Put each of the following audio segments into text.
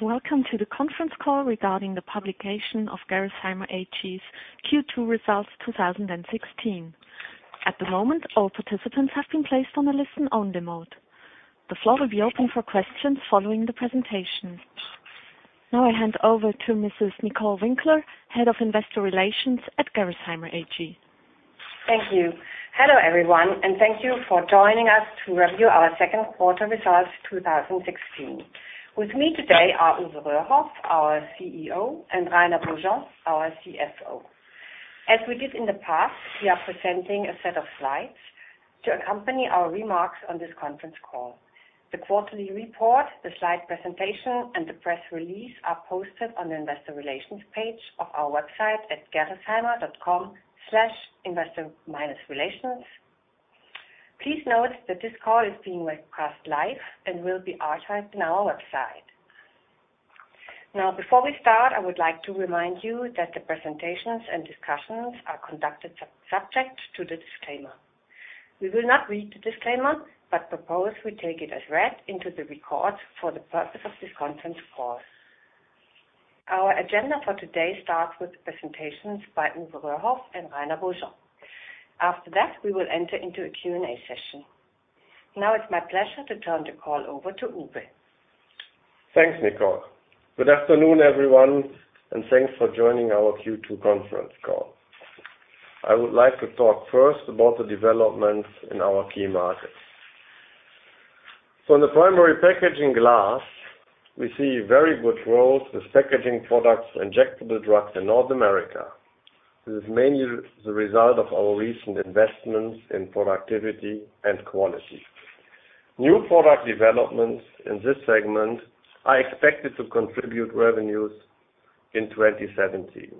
Welcome to the conference call regarding the publication of Gerresheimer AG's Q2 results 2016. At the moment, all participants have been placed on a listen-only mode. The floor will be open for questions following the presentation. I hand over to Mrs. Jens Kürten, Head of Investor Relations at Gerresheimer AG. Thank you. Hello, everyone, and thank you for joining us to review our second quarter results 2016. With me today are Uwe Röhrhoff, our CEO, and Rainer Beaujean, our CFO. As we did in the past, we are presenting a set of slides to accompany our remarks on this conference call. The quarterly report, the slide presentation, and the press release are posted on the investor relations page of our website at gerresheimer.com/investor-relations. Please note that this call is being webcast live and will be archived on our website. Before we start, I would like to remind you that the presentations and discussions are conducted subject to the disclaimer. We will not read the disclaimer, but propose we take it as read into the records for the purpose of this conference call. Our agenda for today starts with presentations by Uwe Röhrhoff and Rainer Beaujean. After that, we will enter into a Q&A session. It's my pleasure to turn the call over to Uwe. Thanks, Jens. Good afternoon, everyone, and thanks for joining our Q2 conference call. In the Primary Packaging Glass, we see very good growth with packaging products, injectable drugs in North America. This is mainly the result of our recent investments in productivity and quality. New product developments in this segment are expected to contribute revenues in 2017.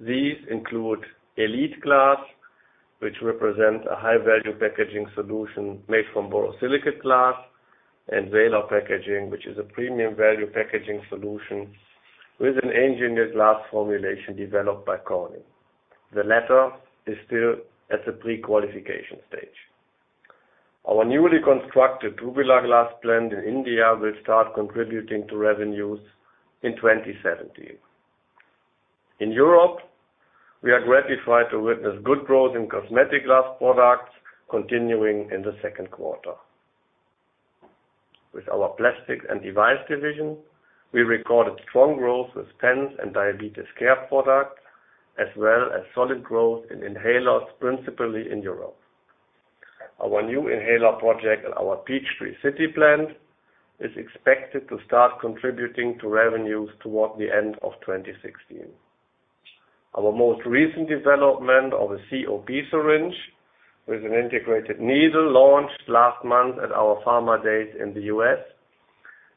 These include Gx Elite Glass, which represents a high-value packaging solution made from borosilicate glass, and Valor Glass packaging, which is a premium value packaging solution with an engineered glass formulation developed by Corning. The latter is still at the pre-qualification stage. Our newly constructed tubular glass plant in India will start contributing to revenues in 2017. In Europe, we are gratified to witness good growth in cosmetic glass products continuing in the second quarter. With our Plastics and Devices division, we recorded strong growth with pens and diabetes care products, as well as solid growth in inhalers, principally in Europe. Our new inhaler project at our Peachtree City plant is expected to start contributing to revenues toward the end of 2016. Our most recent development of a COP syringe with an integrated needle launched last month at our Pharma Days in the U.S.,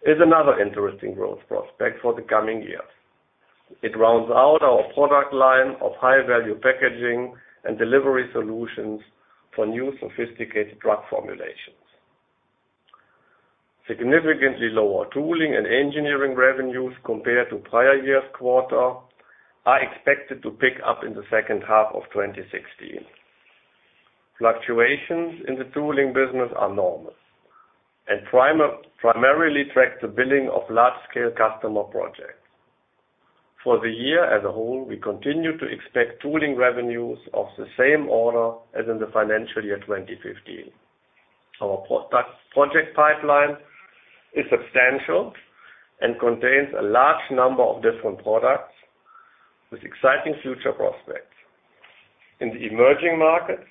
is another interesting growth prospect for the coming years. It rounds out our product line of high-value packaging and delivery solutions for new sophisticated drug formulations. Significantly lower tooling and engineering revenues compared to prior year's quarter are expected to pick up in the second half of 2016. Fluctuations in the tooling business are normal and primarily track the billing of large-scale customer projects. For the year as a whole, we continue to expect tooling revenues of the same order as in the financial year 2015. Our project pipeline is substantial and contains a large number of different products with exciting future prospects. In the emerging markets,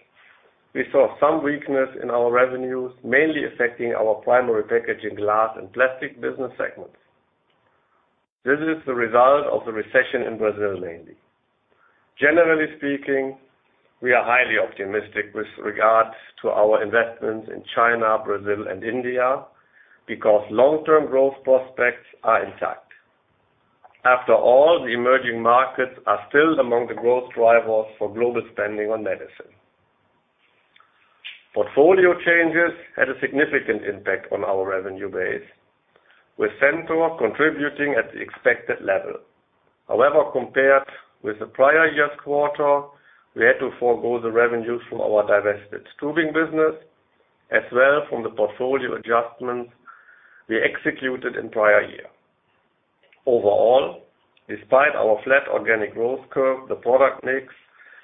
we saw some weakness in our revenues, mainly affecting our Primary Packaging Glass and plastic business segments. This is the result of the recession in Brazil, mainly. Generally speaking, we are highly optimistic with regards to our investments in China, Brazil, and India, because long-term growth prospects are intact. After all, the emerging markets are still among the growth drivers for global spending on medicine. Portfolio changes had a significant impact on our revenue base, with Centor contributing at the expected level. However, compared with the prior year's quarter, we had to forgo the revenues from our divested Glass Tubing business as well from the portfolio adjustments we executed in prior year. Overall, despite our flat organic growth curve, the product mix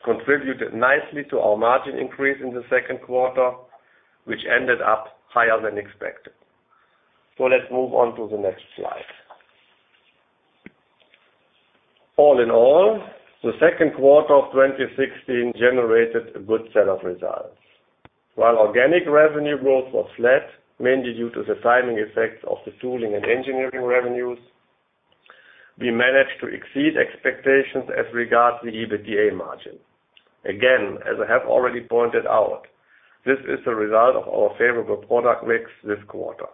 contributed nicely to our margin increase in the second quarter, which ended up higher than expected. Let's move on to the next slide. All in all, the second quarter of 2016 generated a good set of results. While organic revenue growth was flat, mainly due to the timing effects of the tooling and engineering revenues, we managed to exceed expectations as regards the EBITDA margin. Again, as I have already pointed out, this is the result of our favorable product mix this quarter.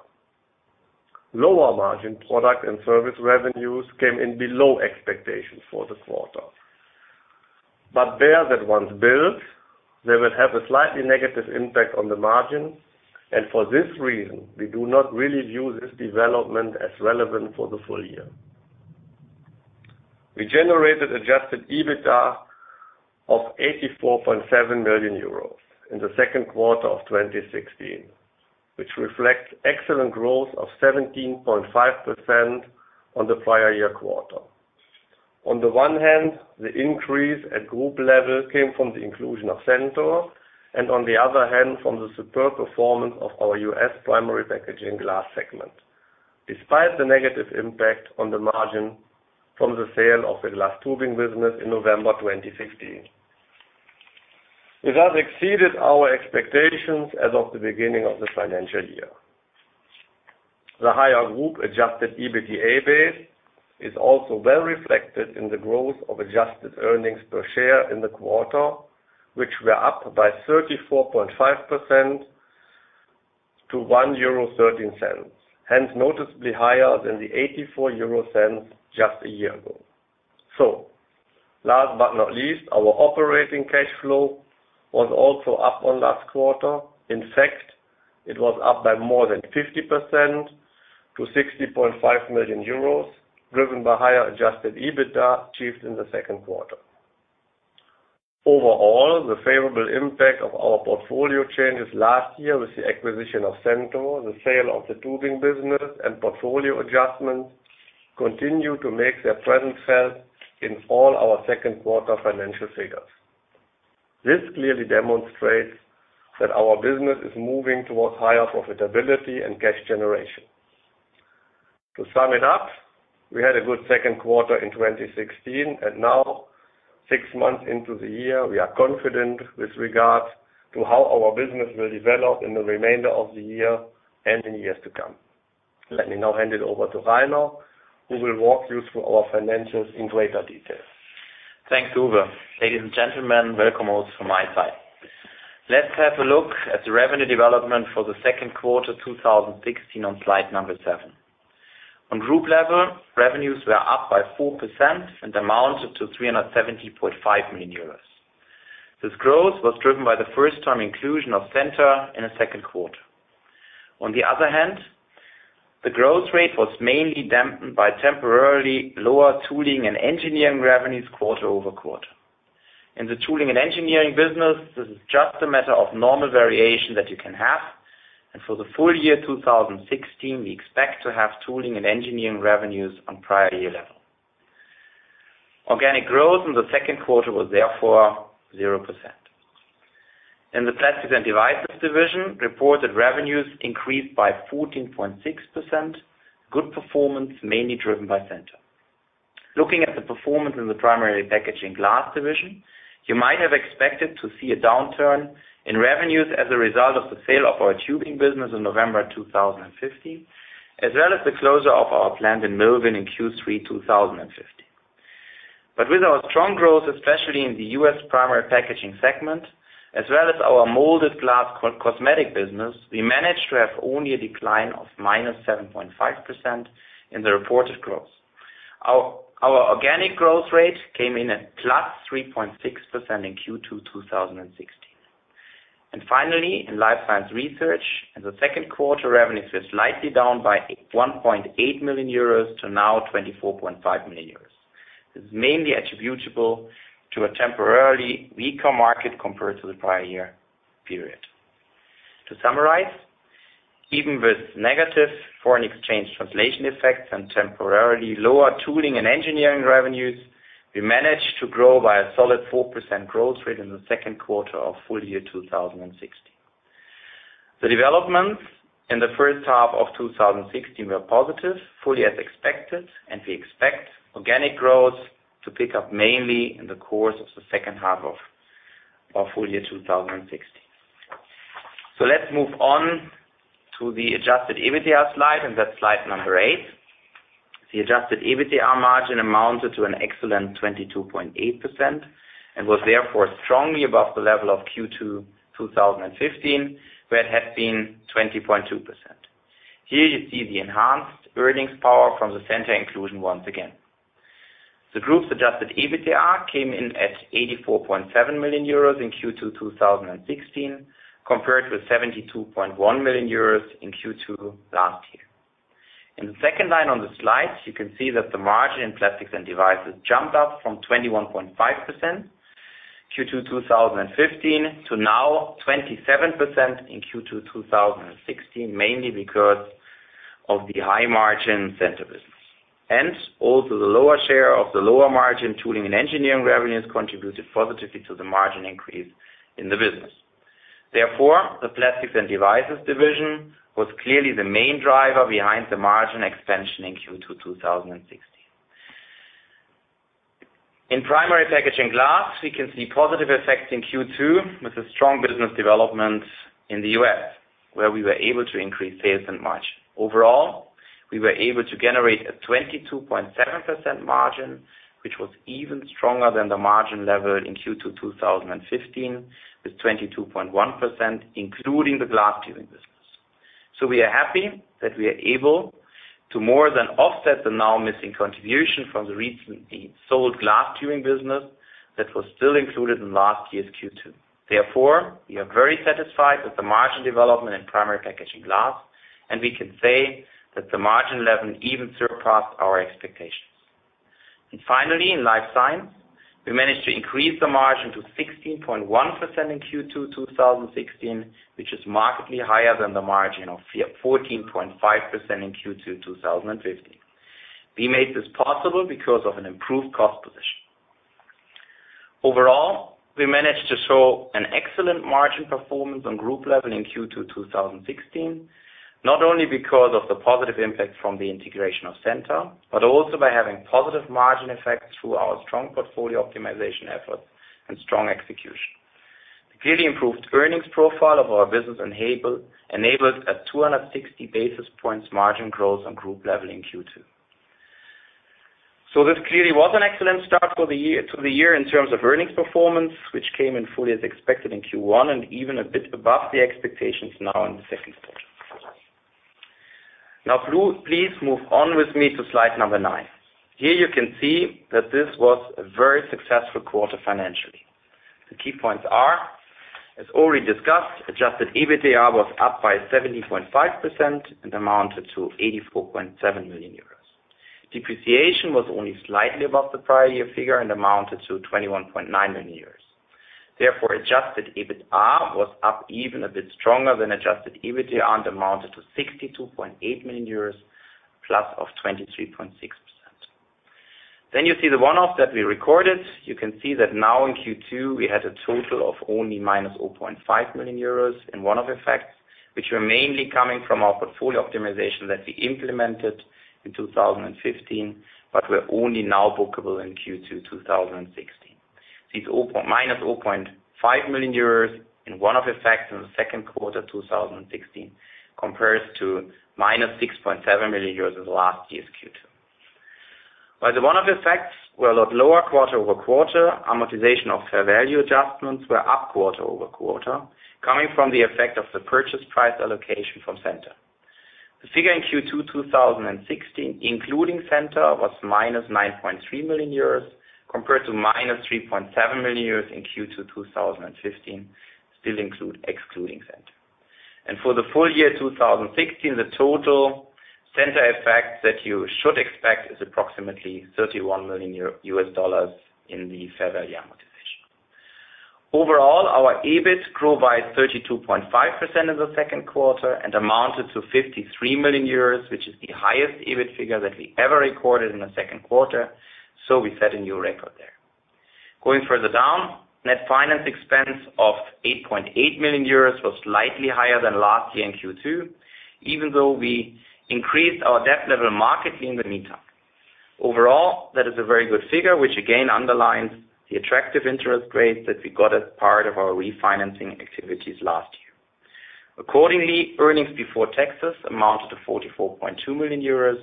Lower margin product and service revenues came in below expectations for the quarter. There that once built, they will have a slightly negative impact on the margin, and for this reason, we do not really view this development as relevant for the full year. We generated adjusted EBITDA of 84.7 million euros in the second quarter of 2016, which reflects excellent growth of 17.5% on the prior year quarter. On the one hand, the increase at group level came from the inclusion of Centor, and on the other hand, from the superb performance of our U.S. Primary Packaging Glass segment. Despite the negative impact on the margin from the sale of the Glass Tubing business in November 2015. It has exceeded our expectations as of the beginning of the financial year. The higher group-adjusted EBITDA base is also well reflected in the growth of adjusted earnings per share in the quarter, which were up by 34.5% to 1.13 euro. Hence, noticeably higher than the 0.84 just a year ago. Last but not least, our operating cash flow was also up on last quarter. In fact, it was up by more than 50% to 60.5 million euros, driven by higher adjusted EBITDA achieved in the second quarter. Overall, the favorable impact of our portfolio changes last year with the acquisition of Centor, the sale of the Tubing business, and portfolio adjustments continue to make their presence felt in all our second-quarter financial figures. This clearly demonstrates that our business is moving towards higher profitability and cash generation. To sum it up, we had a good second quarter in 2016, and now six months into the year, we are confident with regard to how our business will develop in the remainder of the year and in years to come. Let me now hand it over to Rainer, who will walk you through our financials in greater detail. Thanks, Uwe. Ladies and gentlemen, welcome also from my side. Let's have a look at the revenue development for the second quarter 2016 on slide number seven. On group level, revenues were up by 4% and amounted to 370.5 million euros. This growth was driven by the first-time inclusion of Centor in the second quarter. On the other hand, the growth rate was mainly dampened by temporarily lower tooling and engineering revenues quarter-over-quarter. In the tooling and engineering business, this is just a matter of normal variation that you can have, and for the full year 2016, we expect to have tooling and engineering revenues on prior year level. Organic growth in the second quarter was therefore 0%. In the Plastics and Devices division, reported revenues increased by 14.6%. Good performance, mainly driven by Centor. Looking at the performance in the Primary Packaging Glass division, you might have expected to see a downturn in revenues as a result of the sale of our Tubing business in November 2015, as well as the closure of our plant in Millville in Q3 2015. With our strong growth, especially in the U.S. primary packaging segment, as well as our molded glass cosmetic business, we managed to have only a decline of -7.5% in the reported growth. Our organic growth rate came in at +3.6% in Q2 2016. Finally, in Life Science Research, in the second quarter, revenues were slightly down by 1.8 million euros to now 24.5 million euros. This is mainly attributable to a temporarily weaker market compared to the prior year period. To summarize, even with negative foreign exchange translation effects and temporarily lower tooling and engineering revenues, we managed to grow by a solid 4% growth rate in the second quarter of full year 2016. The developments in the first half of 2016 were positive, fully as expected, and we expect organic growth to pick up mainly in the course of the second half of full year 2016. Let's move on to the adjusted EBITDA slide, and that's slide number eight. The adjusted EBITDA margin amounted to an excellent 22.8% and was therefore strongly above the level of Q2 2015, where it had been 20.2%. Here you see the enhanced earnings power from the Centor inclusion once again. The group's adjusted EBITDA came in at 84.7 million euros in Q2 2016, compared with 72.1 million euros in Q2 last year. In the second line on the slide, you can see that the margin in Plastics and Devices jumped up from 21.5% Q2 2015 to now 27% in Q2 2016, mainly because of the high-margin Centor business. Also the lower share of the lower margin tooling and engineering revenues contributed positively to the margin increase in the business. The Plastics and Devices division was clearly the main driver behind the margin expansion in Q2 2016. In Primary Packaging Glass, we can see positive effects in Q2 with a strong business development in the U.S., where we were able to increase sales and margin. Overall, we were able to generate a 22.7% margin, which was even stronger than the margin level in Q2 2015, with 22.1%, including the Glass Tubing business. We are happy that we are able to more than offset the now missing contribution from the recently sold Glass Tubing business that was still included in last year's Q2. We are very satisfied with the margin development in Primary Packaging Glass, and we can say that the margin level even surpassed our expectations. Finally, in Life Science, we managed to increase the margin to 16.1% in Q2 2016, which is markedly higher than the margin of 14.5% in Q2 2015. We made this possible because of an improved cost position. Overall, we managed to show an excellent margin performance on group level in Q2 2016, not only because of the positive impact from the integration of Centor, but also by having positive margin effects through our strong portfolio optimization efforts and strong execution. The clearly improved earnings profile of our business enabled a 260 basis points margin growth on group level in Q2. This clearly was an excellent start to the year in terms of earnings performance, which came in fully as expected in Q1 and even a bit above the expectations now in the second quarter. Please move on with me to slide number nine. Here you can see that this was a very successful quarter financially. The key points are, as already discussed, adjusted EBITDA was up by 70.5% and amounted to 84.7 million euros. Depreciation was only slightly above the prior year figure and amounted to 21.9 million euros. Adjusted EBITA was up even a bit stronger than adjusted EBITDA and amounted to 62.8 million euros, +23.6%. You see the one-off that we recorded. You can see that now in Q2, we had a total of only minus 0.5 million euros in one-off effects, which were mainly coming from our portfolio optimization that we implemented in 2015, but were only now bookable in Q2 2016. These minus 0.5 million euros in one-off effects in the second quarter 2016 compares to minus 6.7 million euros in last year's Q2. While the one-off effects were a lot lower quarter-over-quarter, amortization of fair value adjustments were up quarter-over-quarter, coming from the effect of the purchase price allocation from Centor. The figure in Q2 2016, including Centor, was minus 9.3 million euros, compared to minus 3.7 million euros in Q2 2015, still excluding Centor. For the full year 2016, the total Centor effect that you should expect is approximately $31 million in the fair value amortization. Overall, our EBIT grew by 32.5% in the second quarter and amounted to 53 million euros, which is the highest EBIT figure that we ever recorded in the second quarter, so we set a new record there. Going further down, net finance expense of 8.8 million euros was slightly higher than last year in Q2, even though we increased our debt level markedly in the meantime. Overall, that is a very good figure, which again underlines the attractive interest rates that we got as part of our refinancing activities last year. Accordingly, earnings before taxes amounted to 44.2 million euros,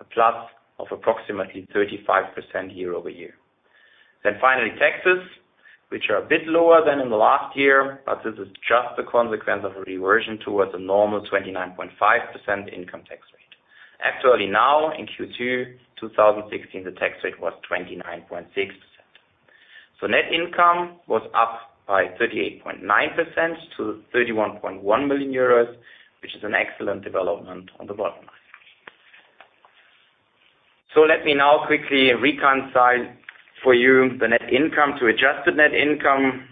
a plus of approximately 35% year-over-year. Finally, taxes, which are a bit lower than in the last year, but this is just a consequence of a reversion towards a normal 29.5% income tax rate. Actually now in Q2 2016, the tax rate was 29.6%. Net income was up by 38.9% to 31.1 million euros, which is an excellent development on the bottom line. Let me now quickly reconcile for you the net income to adjusted net income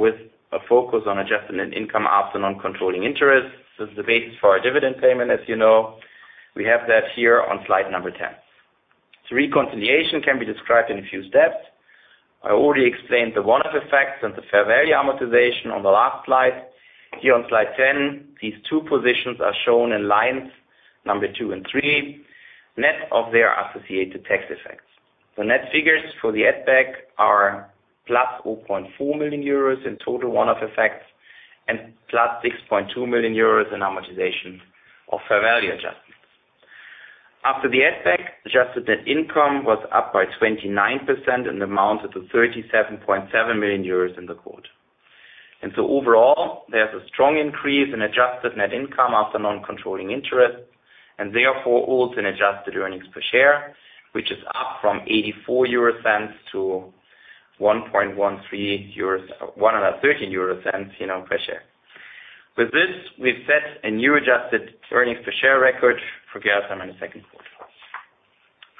with a focus on adjusted net income after non-controlling interest. This is the basis for our dividend payment, as you know. We have that here on slide 10. Reconciliation can be described in a few steps. I already explained the one-off effects and the fair value amortization on the last slide. Here on slide 10, these two positions are shown in lines 2 and 3, net of their associated tax effects. The net figures for the add back are plus 0.4 million euros in total one-off effects and plus 6.2 million euros in amortization of fair value adjustments. After the add back, adjusted net income was up by 29% and amounted to 37.7 million euros in the quarter. Overall, there's a strong increase in adjusted net income after non-controlling interest, and therefore also in adjusted earnings per share, which is up from 0.84 to 1.13 euros per share. With this, we've set a new adjusted earnings per share record for Gerresheimer in the second quarter.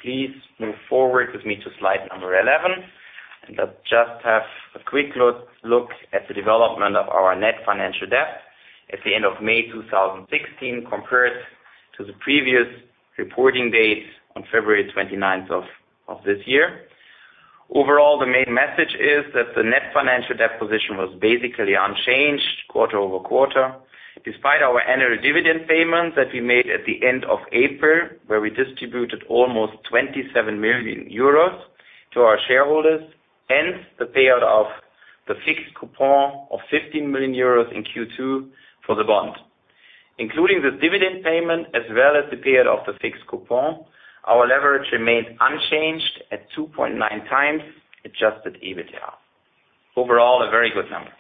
Please move forward with me to slide 11, and let's just have a quick look at the development of our net financial debt at the end of May 2016, compared to the previous reporting date on February 29th of this year. Overall, the main message is that the net financial debt position was basically unchanged quarter-over-quarter, despite our annual dividend payment that we made at the end of April, where we distributed almost 27 million euros to our shareholders, hence the payout of the fixed coupon of 15 million euros in Q2 for the bond. Including this dividend payment as well as the payout of the fixed coupon, our leverage remains unchanged at 2.9 times adjusted EBITDA. Overall, a very good number.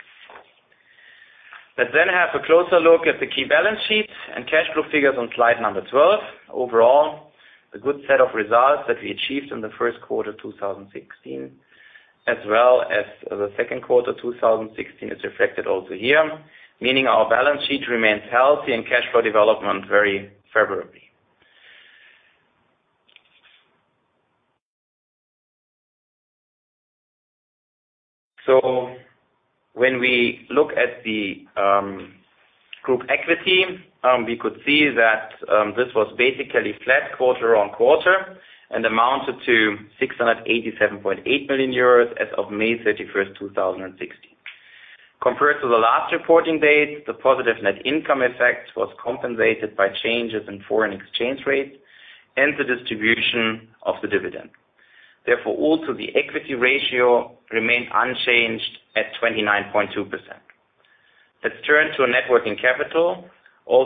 Let's have a closer look at the key balance sheet and cash flow figures on slide number 12. Overall, a good set of results that we achieved in the first quarter 2016. As well as the second quarter 2016 is reflected also here, meaning our balance sheet remains healthy and cash flow development very favorably. When we look at the group equity, we could see that this was basically flat quarter-on-quarter and amounted to 687.8 million euros as of May 31st, 2016. Compared to the last reporting date, the positive net income effect was compensated by changes in foreign exchange rates and the distribution of the dividend. Therefore, the equity ratio remained unchanged at 29.2%. Let's turn to net working capital.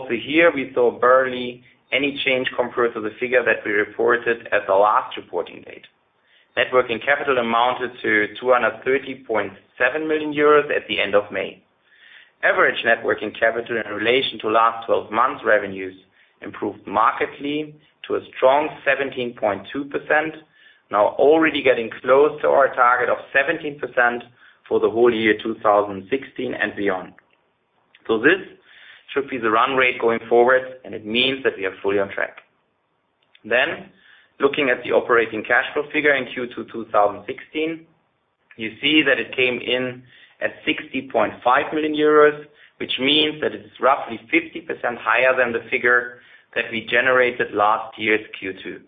Here we saw barely any change compared to the figure that we reported at the last reporting date. Net working capital amounted to 230.7 million euros at the end of May. Average net working capital in relation to last 12-month revenues improved markedly to a strong 17.2%, now already getting close to our target of 17% for the whole year 2016 and beyond. This should be the run rate going forward, and it means that we are fully on track. Looking at the operating cash flow figure in Q2 2016, you see that it came in at 60.5 million euros, which means that it's roughly 50% higher than the figure that we generated last year's Q2.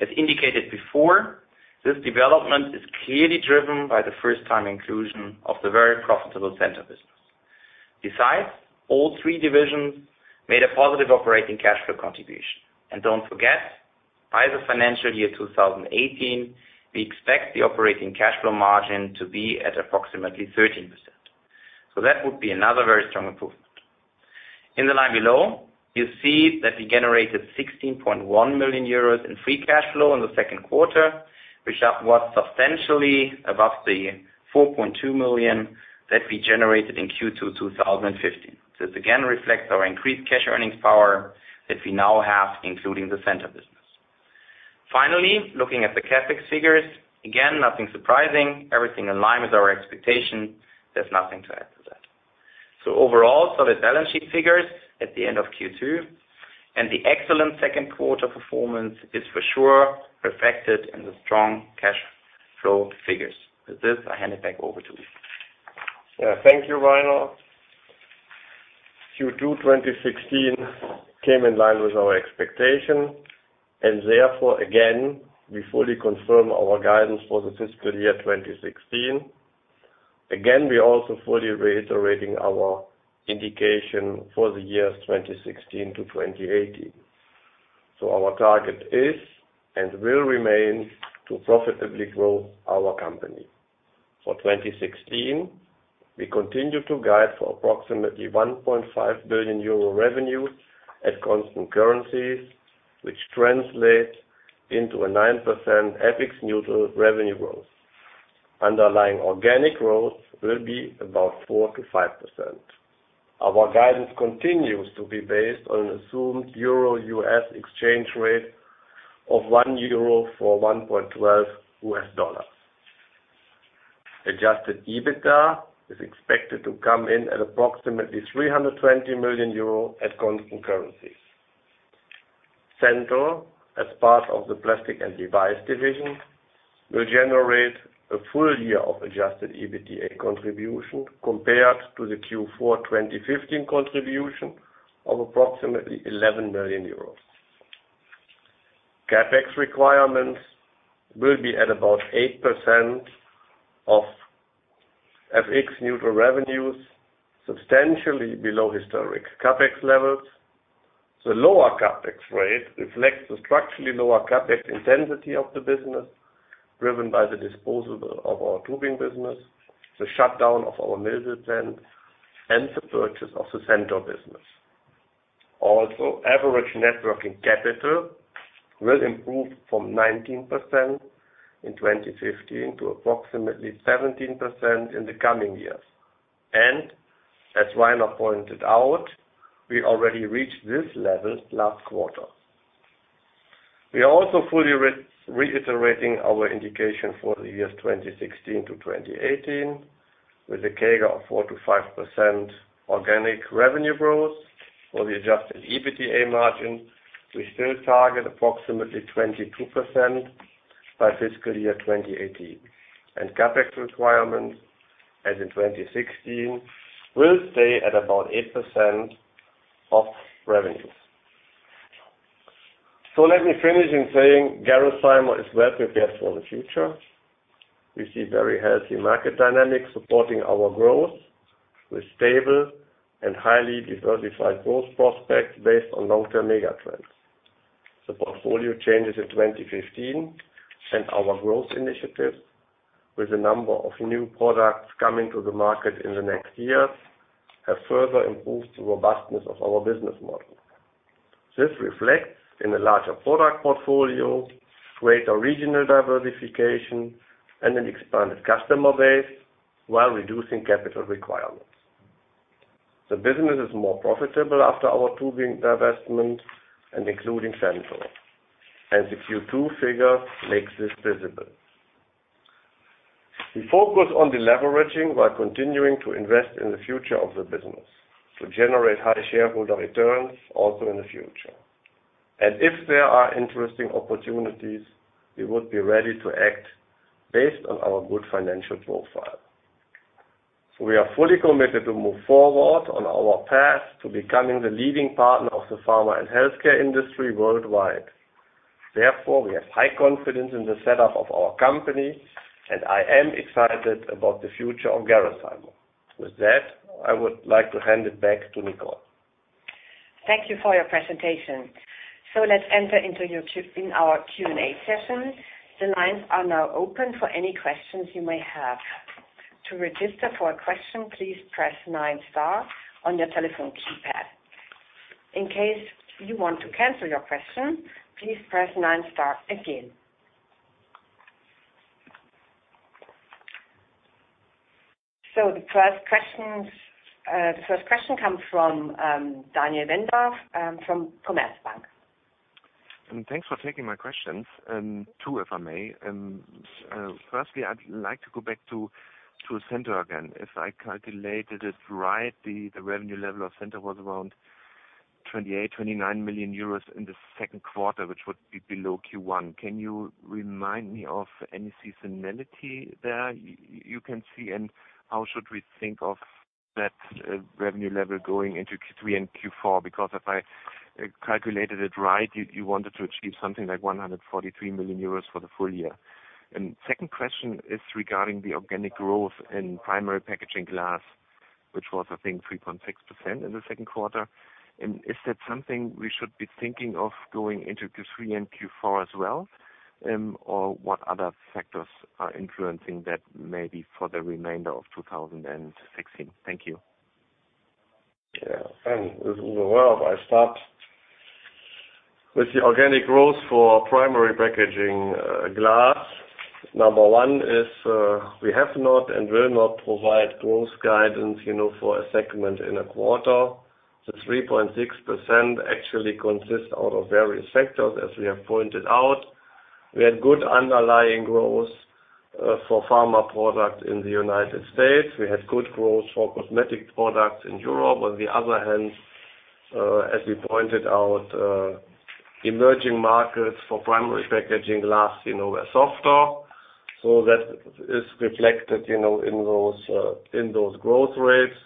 As indicated before, this development is clearly driven by the first-time inclusion of the very profitable Centor business. Besides, all three divisions made a positive operating cash flow contribution. Don't forget, by the financial year 2018, we expect the operating cash flow margin to be at approximately 13%. That would be another very strong improvement. In the line below, you see that we generated 16.1 million euros in free cash flow in the second quarter, which was substantially above the 4.2 million that we generated in Q2 2015. This again reflects our increased cash earnings power that we now have, including the Centor business. Finally, looking at the CapEx figures, again, nothing surprising, everything in line with our expectation. There's nothing to add to that. Overall, solid balance sheet figures at the end of Q2, and the excellent second quarter performance is for sure reflected in the strong cash flow figures. With this, I hand it back over to Uwe. Thank you, Rainer. Q2 2016 came in line with our expectation. Therefore, again, we fully confirm our guidance for the fiscal year 2016. Again, we are also fully reiterating our indication for the years 2016 to 2018. Our target is and will remain to profitably grow our company. For 2016, we continue to guide for approximately 1.5 billion euro revenue at constant currencies, which translate into a 9% FX-neutral revenue growth. Underlying organic growth will be about 4% to 5%. Our guidance continues to be based on an assumed euro/US exchange rate of one euro for $1.12 US. Adjusted EBITDA is expected to come in at approximately 320 million euro at constant currency. Centor, as part of the Plastics and Devices division, will generate a full year of adjusted EBITDA contribution compared to the Q4 2015 contribution of approximately 11 million euros. CapEx requirements will be at about 8% of FX-neutral revenues, substantially below historic CapEx levels. The lower CapEx rate reflects the structurally lower CapEx intensity of the business, driven by the disposal of our tubing business, the shutdown of our Millville plant, and the purchase of the Centor business. Average net working capital will improve from 19% in 2015 to approximately 17% in the coming years. As Rainer pointed out, we already reached this level last quarter. We are also fully reiterating our indication for the years 2016 to 2018 with a CAGR of 4% to 5% organic revenue growth. For the adjusted EBITDA margin, we still target approximately 22% by fiscal year 2018. CapEx requirements, as in 2016, will stay at about 8% of revenues. Let me finish in saying Gerresheimer is well prepared for the future. We see very healthy market dynamics supporting our growth with stable and highly diversified growth prospects based on long-term mega trends. The portfolio changes in 2015 and our growth initiatives with a number of new products coming to the market in the next years, have further improved the robustness of our business model. This reflects in a larger product portfolio, greater regional diversification, and an expanded customer base while reducing capital requirements. The business is more profitable after our tubing divestment and including Centor. The Q2 figure makes this visible. We focus on deleveraging while continuing to invest in the future of the business to generate high shareholder returns also in the future. If there are interesting opportunities, we would be ready to act based on our good financial profile. We are fully committed to move forward on our path to becoming the leading partner of the pharma and healthcare industry worldwide. Therefore, we have high confidence in the setup of our company, and I am excited about the future of Gerresheimer. With that, I would like to hand it back to Nicole. Thank you for your presentation. Let's enter into our Q&A session. The lines are now open for any questions you may have. To register for a question, please press 9 star on your telephone keypad. In case you want to cancel your question, please press 9 star again. The first question comes from Daniel Wendorff from Commerzbank. Thanks for taking my questions. Two, if I may. Firstly, I'd like to go back to Centor again. If I calculated it right, the revenue level of Centor was around 28 million euros, 29 million euros in the second quarter, which would be below Q1. Can you remind me of any seasonality there you can see? How should we think of that revenue level going into Q3 and Q4? Because if I calculated it right, you wanted to achieve something like 143 million euros for the full year. Second question is regarding the organic growth in Primary Packaging Glass, which was, I think, 3.6% in the second quarter. Is that something we should be thinking of going into Q3 and Q4 as well? Or what other factors are influencing that maybe for the remainder of 2016? Thank you. I start with the organic growth for Primary Packaging Glass. Number 1 is, we have not and will not provide growth guidance for a segment in a quarter. The 3.6% actually consists out of various factors, as we have pointed out. We had good underlying growth for pharma products in the U.S. We had good growth for cosmetic products in Europe. On the other hand, as we pointed out, emerging markets for Primary Packaging Glass were softer. That is reflected in those growth rates.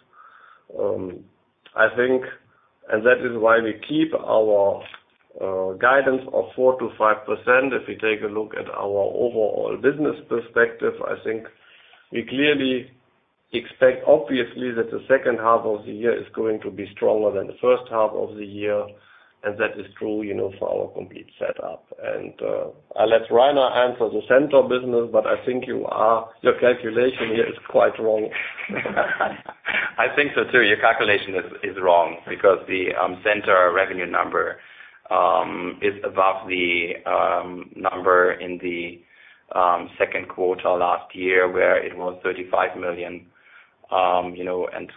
I think, that is why we keep our guidance of 4%-5%. If we take a look at our overall business perspective, I think we clearly expect, obviously, that the second half of the year is going to be stronger than the first half of the year, and that is true for our complete setup. I let Rainer answer the Centor business, I think your calculation here is quite wrong. I think so, too. Your calculation is wrong because the Centor revenue number is above the number in the second quarter last year, where it was 35 million.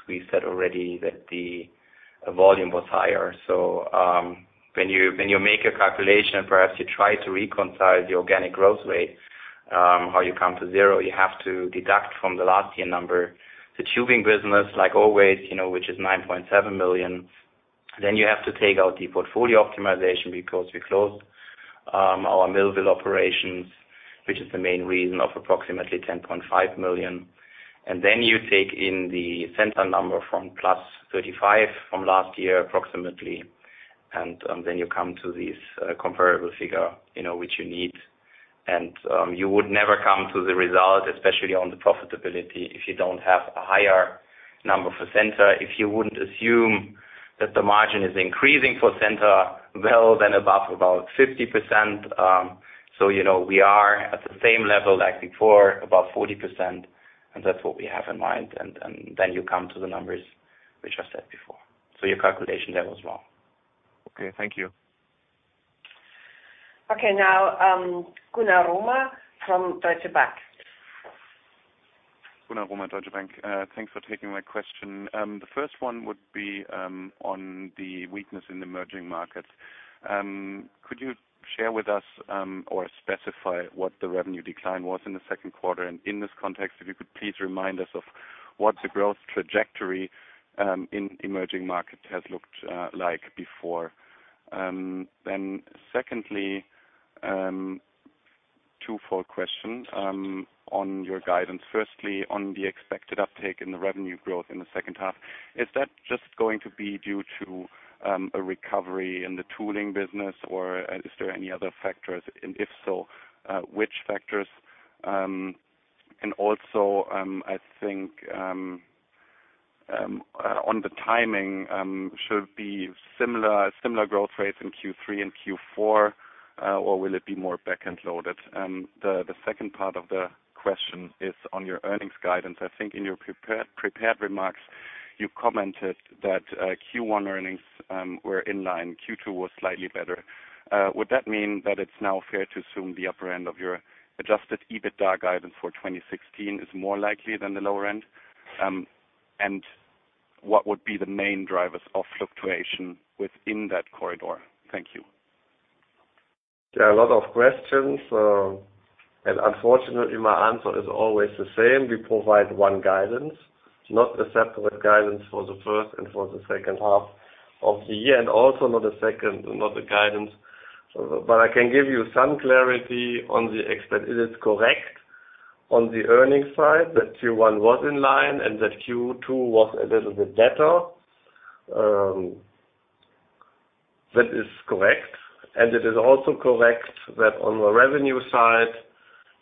We said already that the volume was higher. When you make a calculation, perhaps you try to reconcile the organic growth rate, how you come to zero. You have to deduct from the last year number. The Glass Tubing business, like always, which is 9.7 million. Then you have to take out the portfolio optimization because we closed our Millville operations, which is the main reason of approximately 10.5 million. Then you take in the Centor number from plus 35 from last year, approximately, and then you come to this comparable figure which you need. You would never come to the result, especially on the profitability, if you don't have a higher number for Centor. If you wouldn't assume that the margin is increasing for Centor well then above about 50%. We are at the same level like before, above 40%, and that's what we have in mind. Then you come to the numbers which I said before. Your calculation there was wrong. Okay. Thank you. Okay, now Gunnar Romer from Deutsche Bank. Gunnar Romer, Deutsche Bank. Thanks for taking my question. The first one would be on the weakness in emerging markets. Could you share with us or specify what the revenue decline was in the second quarter? In this context, if you could please remind us of what the growth trajectory in emerging markets has looked like before. Secondly, twofold question on your guidance. Firstly, on the expected uptake in the revenue growth in the second half, is that just going to be due to a recovery in the tooling business, or is there any other factors? If so, which factors? Also, I think on the timing, should be similar growth rates in Q3 and Q4, or will it be more back-end loaded? The second part of the question is on your earnings guidance. I think in your prepared remarks, you commented that Q1 earnings were in line. Q2 was slightly better. Would that mean that it's now fair to assume the upper end of your adjusted EBITDA guidance for 2016 is more likely than the lower end? What would be the main drivers of fluctuation within that corridor? Thank you. There are a lot of questions. Unfortunately my answer is always the same. We provide one guidance, not a separate guidance for the first and for the second half of the year, not the guidance. I can give you some clarity on the extent. It is correct on the earnings side that Q1 was in line and that Q2 was a little bit better. That is correct. It is also correct that on the revenue side,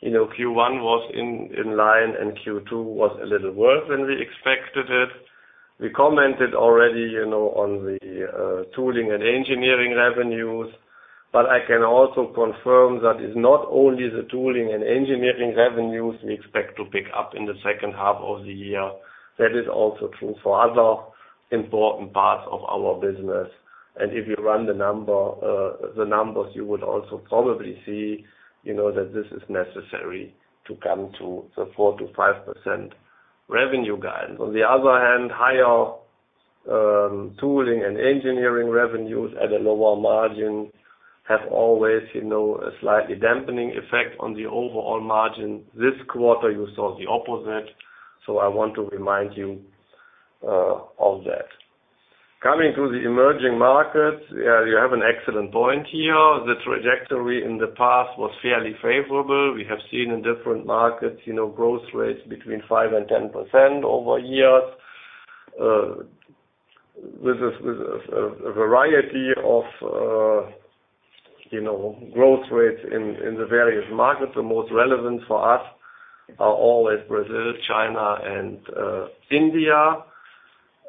Q1 was in line and Q2 was a little worse than we expected it. We commented already on the tooling and engineering revenues. I can also confirm that it's not only the tooling and engineering revenues we expect to pick up in the second half of the year. That is also true for other important parts of our business. If you run the numbers, you would also probably see that this is necessary to come to the 4%-5% revenue guidance. On the other hand, higher tooling and engineering revenues at a lower margin have always a slightly dampening effect on the overall margin. This quarter you saw the opposite. I want to remind you of that. Coming to the emerging markets, you have an excellent point here. The trajectory in the past was fairly favorable. We have seen in different markets growth rates between 5%-10% over years. With a variety of growth rates in the various markets. The most relevant for us are always Brazil, China, and India.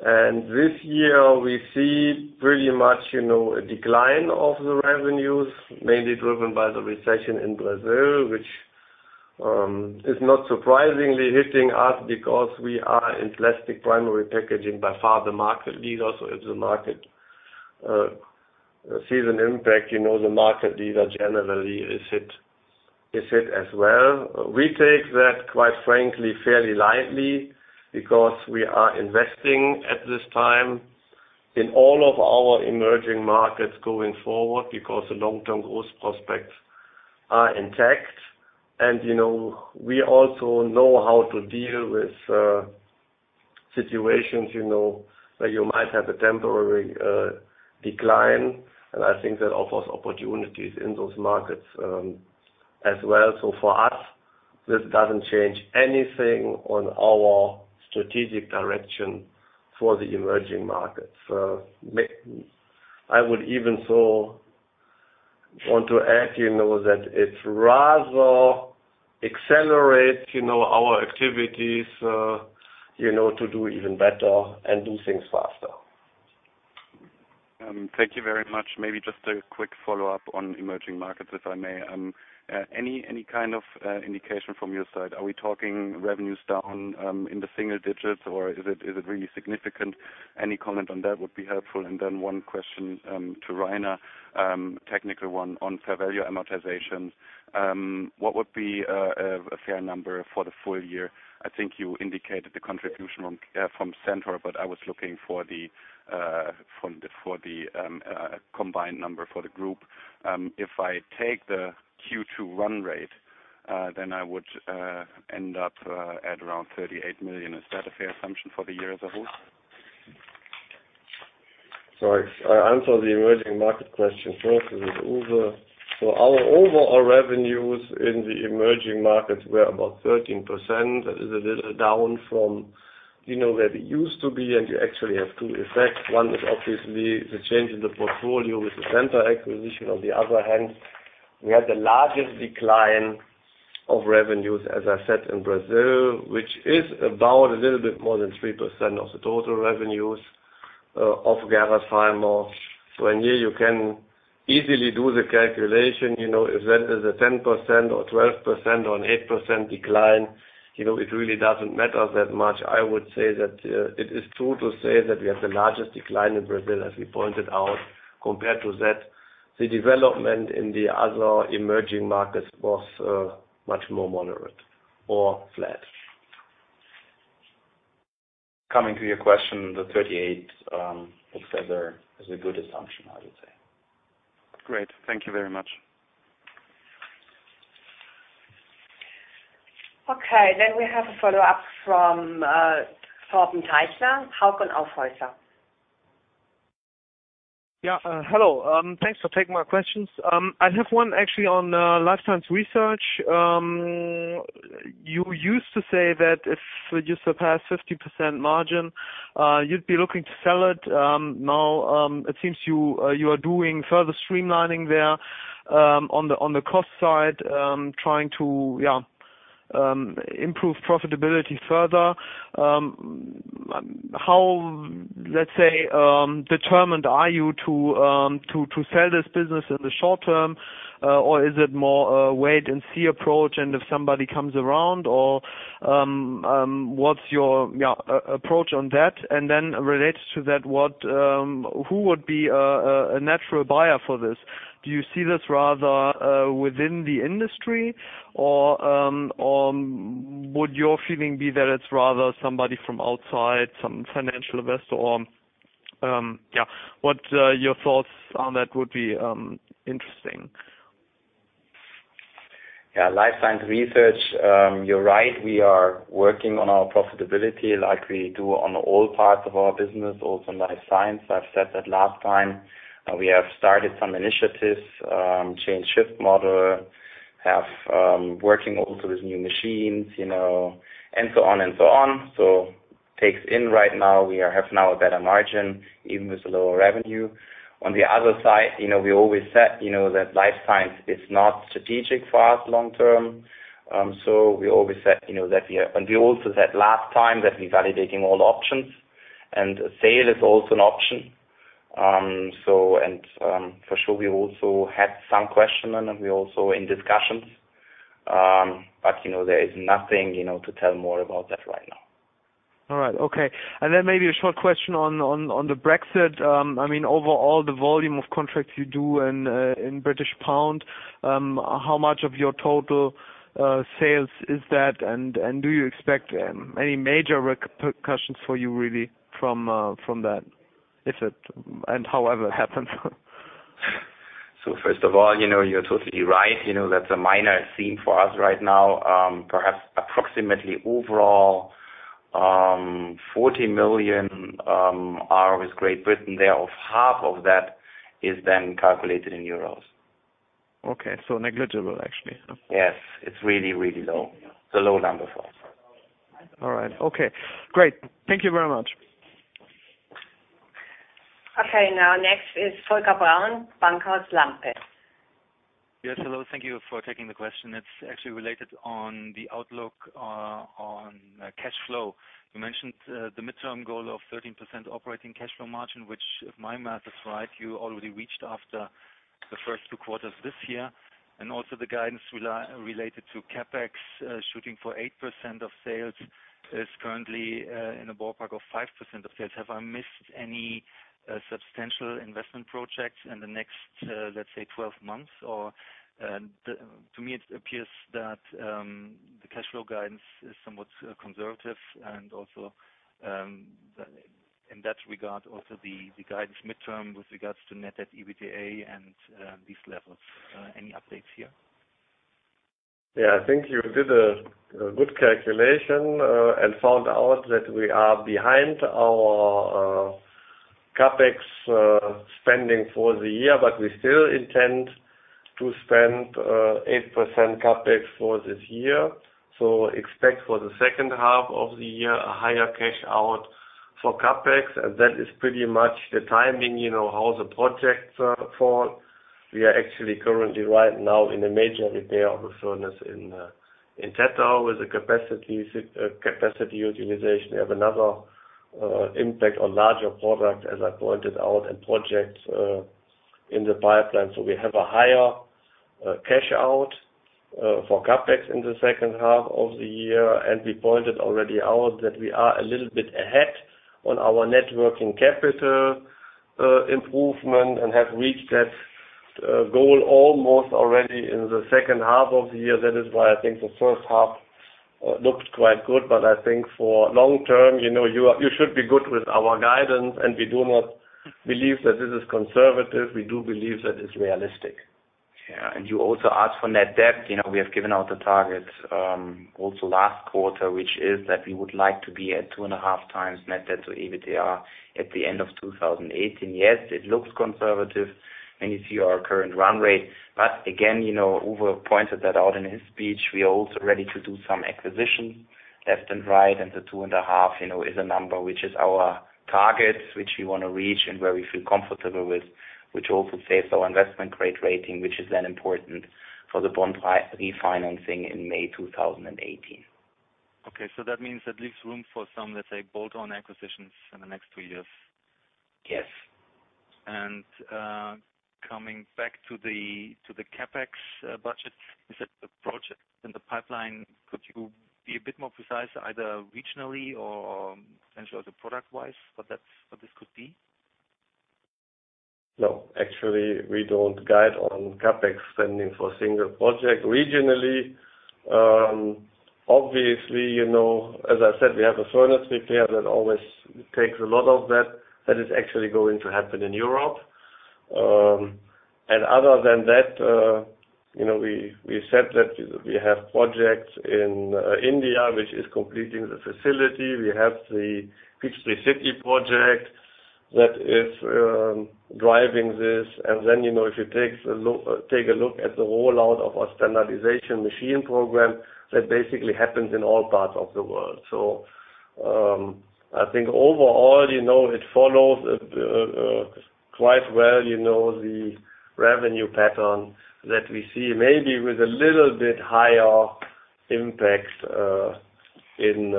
This year we see pretty much a decline of the revenues, mainly driven by the recession in Brazil, which is not surprisingly hitting us because we are in plastic primary packaging by far the market leader. If the market sees an impact, the market leader generally is hit as well. We take that, quite frankly, fairly lightly because we are investing at this time in all of our emerging markets going forward because the long-term growth prospects are intact. We also know how to deal with situations where you might have a temporary decline. I think that offers opportunities in those markets as well. For us, this doesn't change anything on our strategic direction for the emerging markets. I would even so want to add, that it rather accelerates our activities to do even better and do things faster. Thank you very much. Maybe just a quick follow-up on emerging markets, if I may. Any kind of indication from your side, are we talking revenues down in the single digits or is it really significant? Any comment on that would be helpful. Then one question to Rainer, a technical one on fair value amortization. What would be a fair number for the full year? I think you indicated the contribution from Centor, but I was looking for the combined number for the group. If I take the Q2 run rate, then I would end up at around 38 million. Is that a fair assumption for the year as a whole? I answer the emerging market question first. This is Uwe. Our overall revenues in the emerging markets were about 13%. That is a little down from where we used to be and you actually have two effects. One is obviously the change in the portfolio with the Centor acquisition. On the other hand, we had the largest decline of revenues, as I said, in Brazil, which is about a little bit more than 3% of the total revenues of Gerresheimer. In here you can easily do the calculation. If that is a 10% or 12% or an 8% decline, it really doesn't matter that much. I would say that it is true to say that we have the largest decline in Brazil, as we pointed out. Compared to that, the development in the other emerging markets was much more moderate or flat. Coming to your question, the 38 looks as though is a good assumption, I would say. Great. Thank you very much. We have a follow-up from Torben Teichmann, Hauck & Aufhäuser. Yeah. Hello. Thanks for taking my questions. I have one actually on Life Science Research. You used to say that if you surpass 50% margin, you'd be looking to sell it. Now, it seems you are doing further streamlining there, on the cost side, trying to improve profitability further. How, let's say, determined are you to sell this business in the short term? Or is it more a wait-and-see approach and if somebody comes around or, what's your approach on that? Related to that, who would be a natural buyer for this? Do you see this rather within the industry or would your feeling be that it's rather somebody from outside, some financial investor? What are your thoughts on that would be interesting. Yeah, Life Science Research, you're right, we are working on our profitability like we do on all parts of our business, also in Life Science. I've said that last time. We have started some initiatives, change shift model, have working also with new machines, and so on. Takes in right now, we have now a better margin even with the lower revenue. On the other side, we always said that Life Science is not strategic for us long-term. We also said last time that we're validating all options, and sale is also an option. For sure, we also had some questioning and we're also in discussions. There is nothing to tell more about that right now. Okay. Maybe a short question on the Brexit. Overall the volume of contracts you do in British pound, how much of your total sales is that? Do you expect any major repercussions for you really from that if it and however it happens? First of all, you're totally right. That's a minor theme for us right now. Perhaps approximately overall, 40 million are with Great Britain there of half of that is then calculated in EUR. Okay, negligible, actually. Yes. It's really low. It's a low number for us. All right. Okay. Great. Thank you very much. Next is Volker Braun, Bankhaus Lampe. Yes, hello, thank you for taking the question. It's actually related on the outlook on cash flow. You mentioned the midterm goal of 13% operating cash flow margin, which if my math is right, you already reached after the first two quarters this year, and also the guidance related to CapEx, shooting for 8% of sales is currently in the ballpark of 5% of sales. Have I missed any substantial investment projects in the next, let's say, 12 months? To me, it appears that the cash flow guidance is somewhat conservative and also, in that regard, also the guidance midterm with regards to net debt EBITDA and these levels. Any updates here? Yeah, I think you did a good calculation and found out that we are behind our CapEx spending for the year, but we still intend to spend 8% CapEx for this year. Expect for the second half of the year a higher cash out for CapEx, and that is pretty much the timing, how the projects fall. We are actually currently right now in a major repair of a furnace in Tettau with the capacity utilization. We have another impact on larger products, as I pointed out, and projects in the pipeline. We have a higher cash out for CapEx in the second half of the year, and we pointed already out that we are a little bit ahead on our net working capital improvement and have reached that goal almost already in the second half of the year. That is why I think the first half looked quite good, but I think for long term, you should be good with our guidance, and we do not believe that this is conservative. We do believe that it's realistic. Yeah. You also asked for net debt. We have given out the target also last quarter, which is that we would like to be at two and a half times net debt to EBITDA at the end of 2018. Yes, it looks conservative when you see our current run rate. Again, Uwe pointed that out in his speech. We are also ready to do some acquisition left and right. The two and a half is a number which is our target, which we want to reach and where we feel comfortable with, which also saves our investment-grade rating, which is then important for the bond refinancing in May 2018. Okay, that means that leaves room for some, let's say, bolt-on acquisitions in the next two years. Yes. Coming back to the CapEx budget, you said the project in the pipeline. Could you be a bit more precise, either regionally or potentially other product-wise, what this could be? No, actually, we don't guide on CapEx spending for a single project. Regionally, obviously, as I said, we have a furnace repair that always takes a lot of that. That is actually going to happen in Europe. Other than that, we said that we have projects in India, which is completing the facility. We have the Peachtree City project that is driving this. Then, if you take a look at the rollout of our standardization machine program, that basically happens in all parts of the world. I think overall, it follows quite well, the revenue pattern that we see, maybe with a little bit higher impact in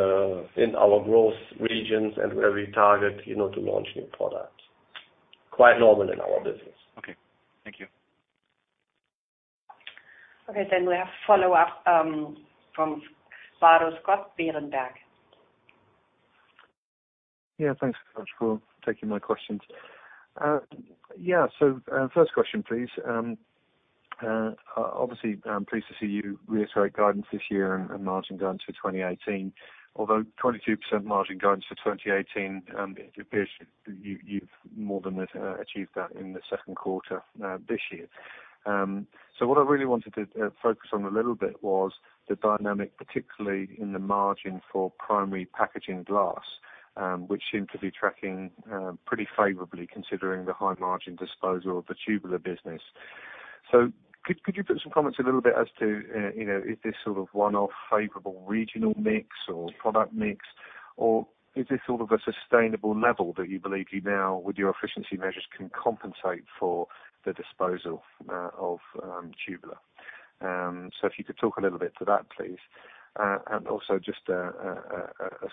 our growth regions and where we target to launch new products. Quite normal in our business. Okay. Thank you. We have a follow-up from Scott Bardo, Berenberg. Thanks so much for taking my questions. First question, please. Obviously, I'm pleased to see you reiterate guidance this year and margin guidance for 2018. Although 22% margin guidance for 2018, it appears you've more than achieved that in the second quarter this year. What I really wanted to focus on a little bit was the dynamic, particularly in the margin for Primary Packaging Glass, which seemed to be tracking pretty favorably considering the high margin disposal of the tubular business. Could you put some comments a little bit as to, is this sort of one-off favorable regional mix or product mix, or is this sort of a sustainable level that you believe you now, with your efficiency measures, can compensate for the disposal of tubular? If you could talk a little bit to that, please. Also just a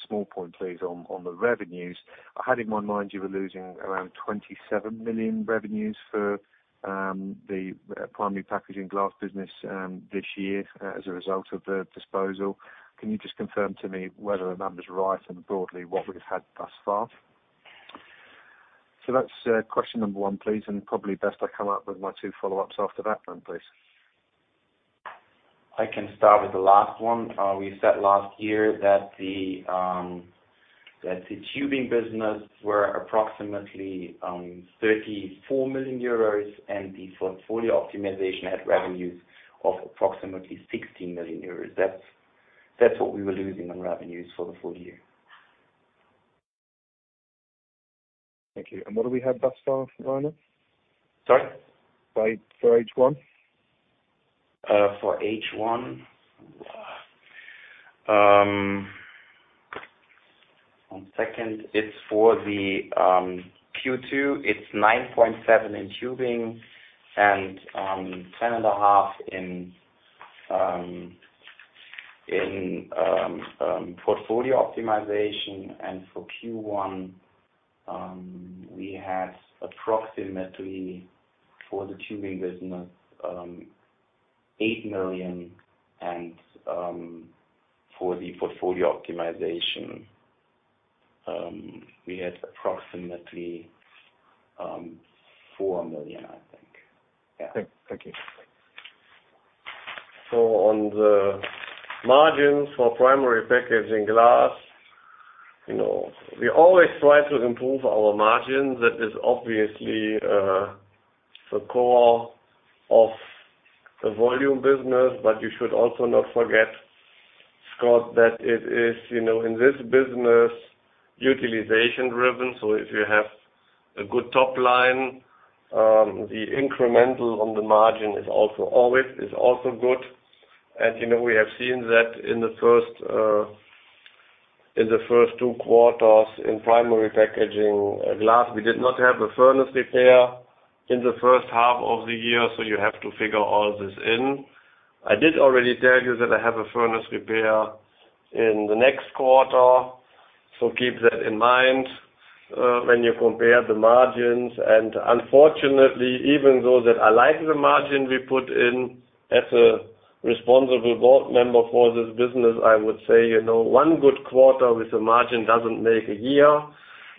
small point, please, on the revenues. I had in my mind you were losing around 27 million revenues for the Primary Packaging Glass business this year as a result of the disposal. Can you just confirm to me whether the number's right and broadly what we've had thus far? That's question number one, please, and probably best I come up with my two follow-ups after that then, please. I can start with the last one. We said last year that the Glass Tubing business were approximately 34 million euros and the portfolio optimization had revenues of approximately 16 million euros. That's what we were losing on revenues for the full year. Thank you. What do we have thus far, Rainer? Sorry? For H1. For H1. One second. It's for the Q2, it's 9.7 in tubing and 10 and a half in portfolio optimization. For Q1, we had approximately for the tubing business, 8 million, and for the portfolio optimization, we had approximately 4 million, I think. Yeah. Thank you. On the margins for Primary Packaging Glass, we always try to improve our margins. That is obviously the core of the volume business. You should also not forget, Scott, that it is, in this business, utilization driven. If you have a good top line, the incremental on the margin is also good. We have seen that in the first two quarters in Primary Packaging Glass. We did not have a furnace repair in the first half of the year, so you have to figure all this in. I did already tell you that I have a furnace repair in the next quarter. Keep that in mind when you compare the margins. Unfortunately, even though that I like the margin we put in as a responsible board member for this business, I would say, one good quarter with a margin doesn't make a year,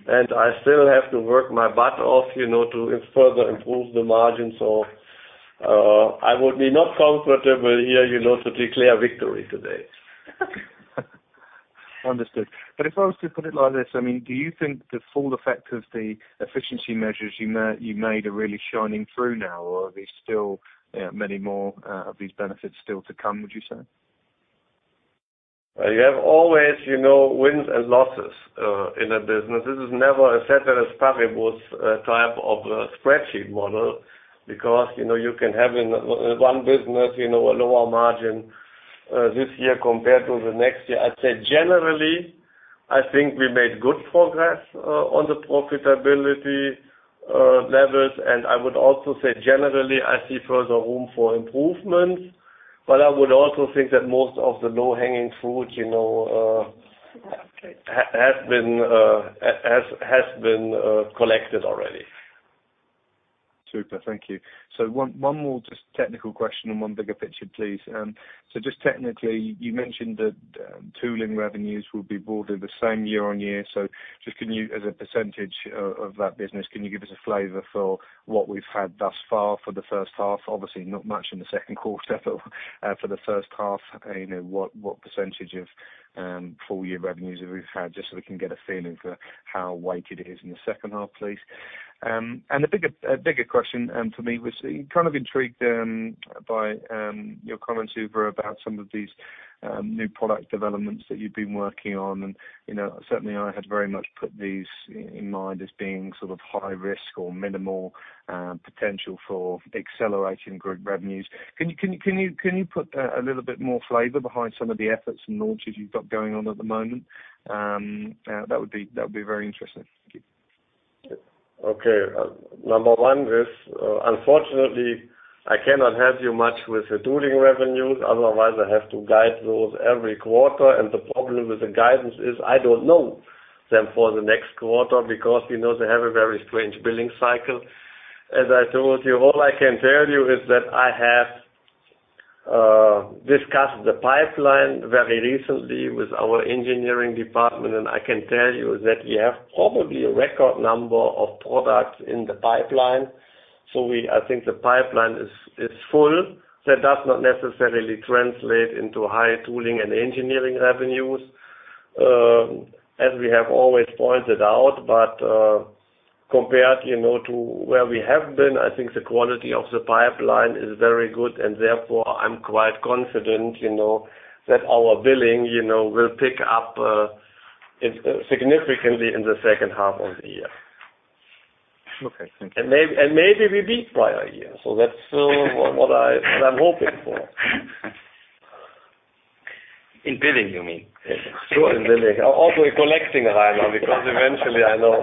and I still have to work my butt off to further improve the margins. I would be not comfortable here to declare victory today. Understood. If I was to put it like this, do you think the full effect of the efficiency measures you made are really shining through now? Or are there still many more of these benefits still to come, would you say? You have always wins and losses in a business. This is never a ceteris paribus type of spreadsheet model because you can have in one business, a lower margin this year compared to the next year. I'd say generally, I think we made good progress on the profitability levels. I would also say generally, I see further room for improvements, but I would also think that most of the low-hanging fruit has been collected already. Super. Thank you. One more just technical question and one bigger picture, please. Just technically, you mentioned that tooling revenues will be broadly the same year-on-year. Just can you, as a percentage of that business, can you give us a flavor for what we've had thus far for the first half? Obviously, not much in the second quarter, but for the first half, what percentage of full-year revenues have we've had, just so we can get a feeling for how weighted it is in the second half, please. The bigger question for me was, kind of intrigued by your comments, Uwe, about some of these new product developments that you've been working on. Certainly I had very much put these in mind as being sort of high risk or minimal potential for accelerating group revenues. Can you put a little bit more flavor behind some of the efforts and launches you've got going on at the moment? That would be very interesting. Thank you. Okay. Number one is, unfortunately, I cannot help you much with the tooling revenues. Otherwise, I have to guide those every quarter. The problem with the guidance is I don't know them for the next quarter because they have a very strange billing cycle. As I told you, all I can tell is that I have discussed the pipeline very recently with our engineering department, and I can tell you that we have probably a record number of products in the pipeline. I think the pipeline is full. That does not necessarily translate into high tooling and engineering revenues, as we have always pointed out. Compared to where we have been, I think the quality of the pipeline is very good, and therefore, I'm quite confident that our billing will pick up significantly in the second half of the year. Okay. Thank you. Maybe we beat prior year. That's what I'm hoping for. In billing, you mean? Sure, in billing. Also in collecting, Rainer, because eventually, I know.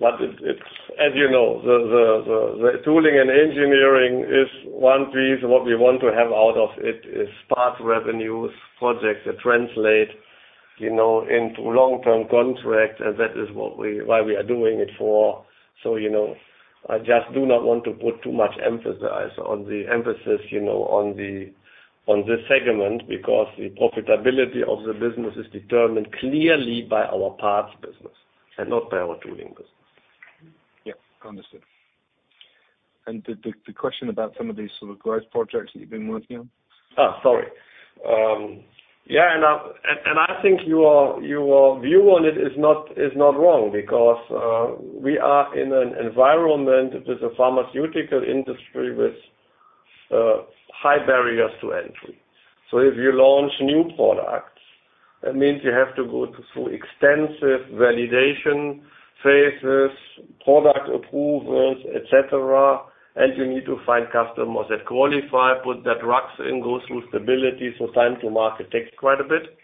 As you know, the tooling and engineering is one piece. What we want to have out of it is parts revenues, projects that translate into long-term contracts, and that is why we are doing it for. I just do not want to put too much emphasis on this segment, because the profitability of the business is determined clearly by our parts business and not by our tooling business. Understood. The question about some of these growth projects that you've been working on? I think your view on it is not wrong because we are in an environment with the pharmaceutical industry with high barriers to entry. If you launch new products, that means you have to go through extensive validation phases, product approvals, et cetera, and you need to find customers that qualify, put the drugs in, go through stability. Time to market takes quite a bit.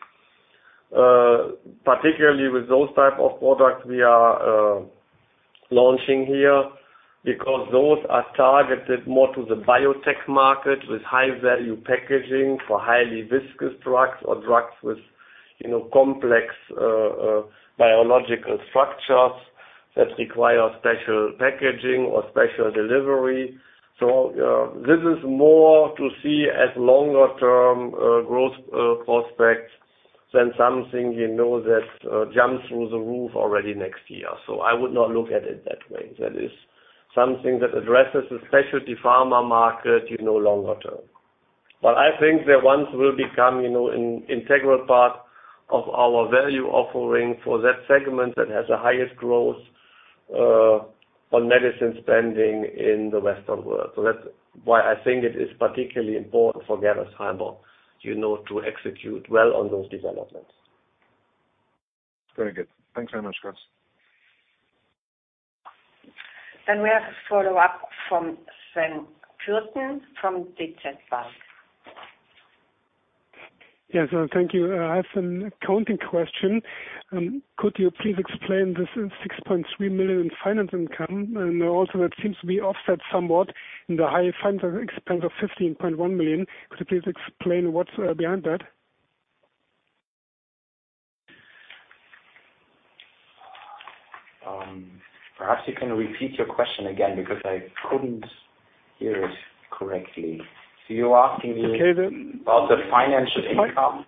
Particularly with those type of products we are launching here, because those are targeted more to the biotech market with high-value packaging for highly viscous drugs or drugs with complex biological structures that require special packaging or special delivery. This is more to see as longer-term growth prospects than something that jumps through the roof already next year. I would not look at it that way. That is something that addresses the specialty pharma market longer term. I think they once will become an integral part of our value offering for that segment that has the highest growth on medicine spending in the Western world. That's why I think it is particularly important for Gerresheimer to execute well on those developments. Very good. Thanks very much, Uwe. We have a follow-up from Sven Kirschen from DZ Bank. Yes. Thank you. I have an accounting question. Could you please explain this 6.3 million finance income? Also, that seems to be offset somewhat in the high finance expense of 15.1 million. Could you please explain what's behind that? Perhaps you can repeat your question again, because I couldn't hear it correctly. You're asking me. It's okay then. About the financial income?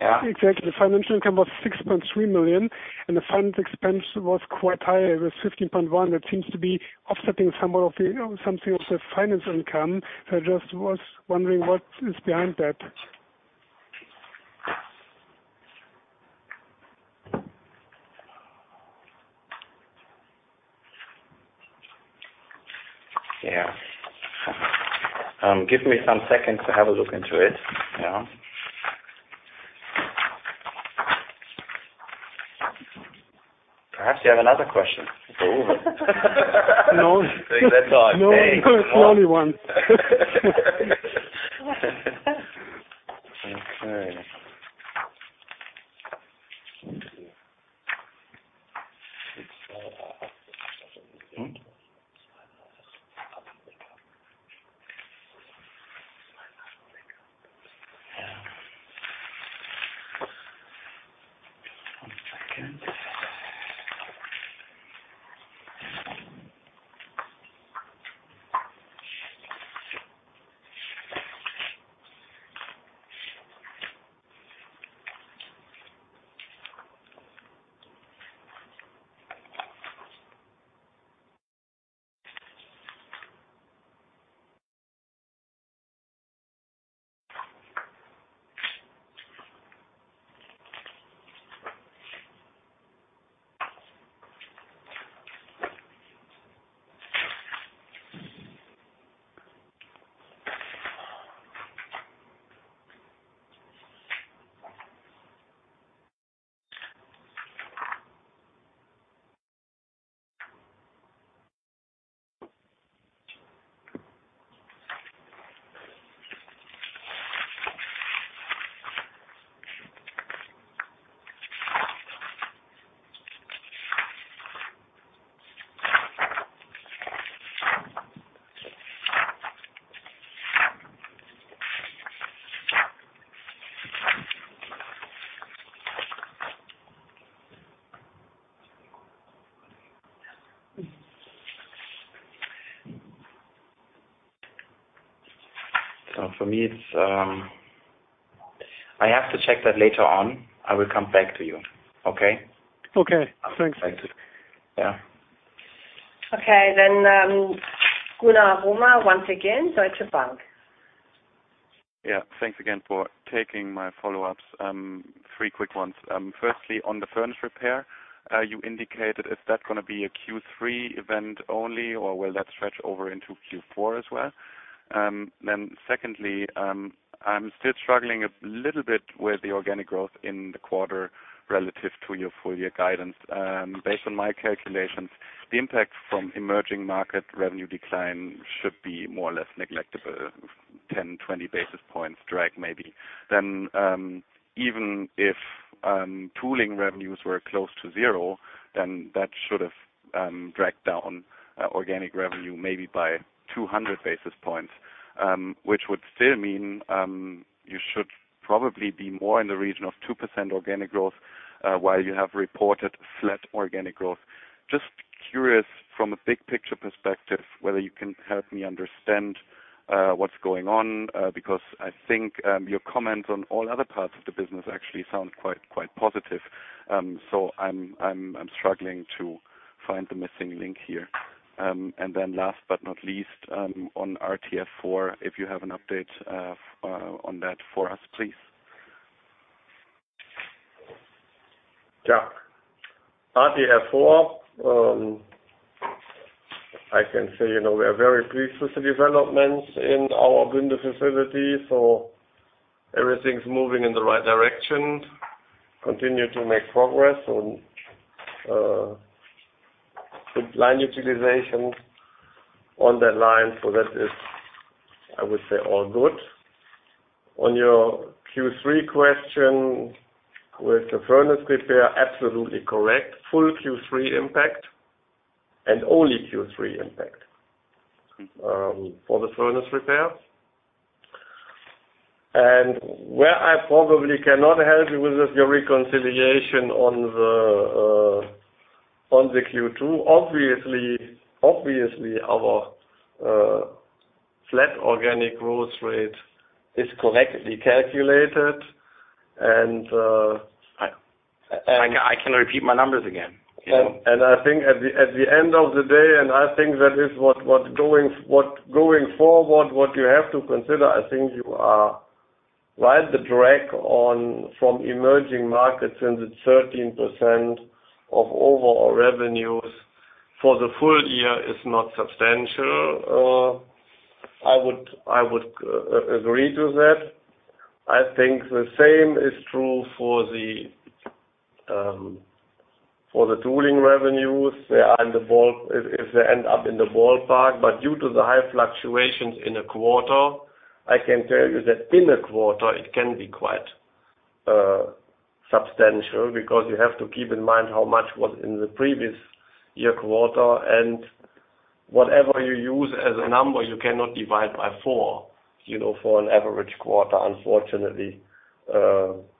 Yeah. Exactly. The financial income was 6.3 million, and the finance expense was quite high. It was 15.1 million. That seems to be offsetting some of the finance income. I just was wondering what is behind that. Yeah. Give me some seconds to have a look into it. Yeah. Perhaps you have another question? It's over. No. Save that time. Hey. No, only one. Okay. Let me see. One second. For me, I have to check that later on. I will come back to you. Okay? Okay. Thanks. I'll come back to you. Yeah. Okay. Gunnar Romer once again, Deutsche Bank. Yeah. Thanks again for taking my follow-ups. Three quick ones. Firstly, on the furnace repair, you indicated, is that going to be a Q3 event only, or will that stretch over into Q4 as well? Secondly, I'm still struggling a little bit with the organic growth in the quarter relative to your full-year guidance. Based on my calculations, the impact from emerging market revenue decline should be more or less neglectable, 10, 20 basis points drag maybe. Even if tooling revenues were close to zero, then that should have dragged down organic revenue maybe by 200 basis points, which would still mean you should probably be more in the region of 2% organic growth, while you have reported flat organic growth. Just curious from a big picture perspective, whether you can help me understand what's going on, because I think your comments on all other parts of the business actually sound quite positive. I'm struggling to find the missing link here. Last but not least, on RTF, if you have an update on that for us, please. RTF, I can say we are very pleased with the developments in our Bünde facility, everything's moving in the right direction. Continue to make progress on good line utilization on that line. That is, I would say, all good. On your Q3 question with the furnace repair, absolutely correct. Full Q3 impact and only Q3 impact for the furnace repair. Where I probably cannot help you with your reconciliation on the Q2, obviously, our flat organic growth rate is correctly calculated. I can repeat my numbers again. I think at the end of the day, I think that is what going forward, what you have to consider, I think you are right, the drag from emerging markets since it's 13% of overall revenues for the full year is not substantial. I would agree to that. I think the same is true for the tooling revenues. They are in the ballpark, but due to the high fluctuations in a quarter, I can tell you that in a quarter it can be quite substantial because you have to keep in mind how much was in the previous year quarter, and whatever you use as a number, you cannot divide by four, for an average quarter, unfortunately,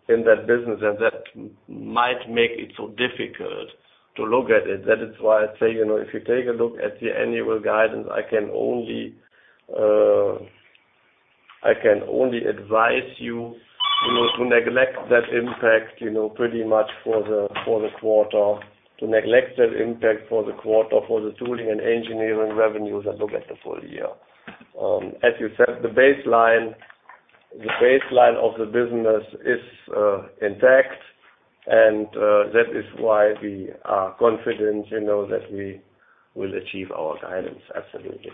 in that business. That might make it so difficult to look at it. I say, if you take a look at the annual guidance, I can only advise you to neglect that impact pretty much for the quarter, to neglect that impact for the quarter for the tooling and engineering revenues and look at the full year. As you said, the baseline of the business is intact, and that is why we are confident that we will achieve our guidance. Absolutely.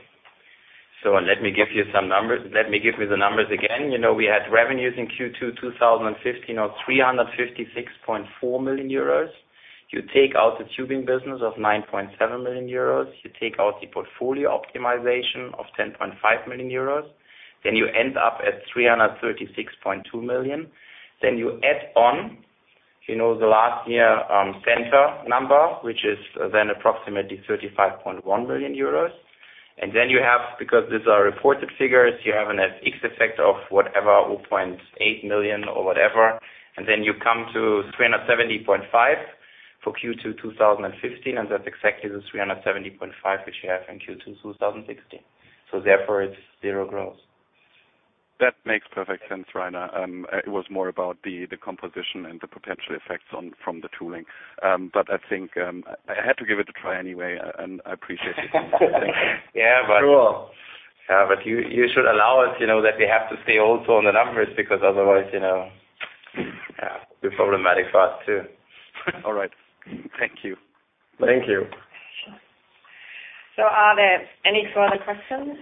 Let me give you the numbers again. We had revenues in Q2 2015 of 356.4 million euros. You take out the Glass Tubing business of 9.7 million euros, you take out the portfolio optimization of 10.5 million euros, then you end up at 336.2 million. You add on the last year Centor number, which is then approximately 35.1 million euros. You have, because these are reported figures, you have an FX effect of whatever, 0.8 million or whatever. You come to 370.5 for Q2 2015, and that's exactly the 370.5 which you have in Q2 2016. Therefore it's zero growth. That makes perfect sense, Rainer. It was more about the composition and the potential effects from the tooling. I think I had to give it a try anyway, and I appreciate it. Yeah. Sure. You should allow us, that we have to stay also on the numbers because otherwise, yeah, it'd be problematic for us, too. All right. Thank you. Thank you. Are there any further questions?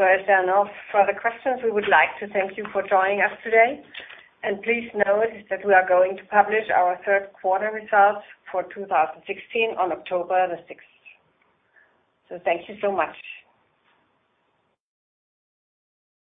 As there are no further questions, we would like to thank you for joining us today. Please note that we are going to publish our third quarter results for 2016 on October the 6th. Thank you so much.